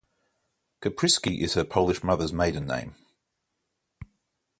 Kaprisky is her Polish mother's maiden name.